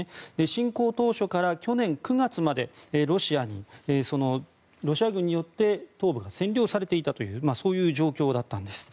侵攻当初から去年９月までロシア軍によって東部が占領されていたという状況だったんです。